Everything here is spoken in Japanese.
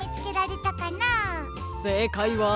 せいかいは。